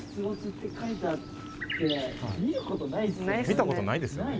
見たことないですよね。